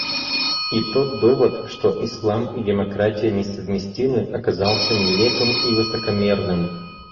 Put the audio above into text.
И тот довод, что ислам и демократия несовместимы, оказался нелепым и высокомерным.